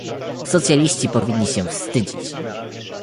Socjaliści powinni się wstydzić!